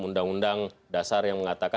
undang dasar yang mengatakan